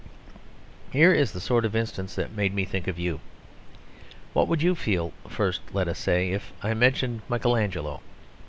Here is the sort of instance that made me think of you. What would you feel first, let us say, if I mentioned Michael Angelo?